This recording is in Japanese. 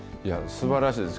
すばらしいです。